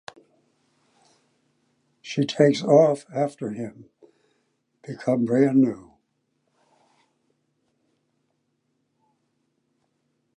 She takes off after him ("Become Brand New").